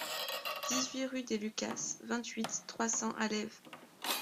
dix-huit rue des Lucasses, vingt-huit, trois cents à Lèves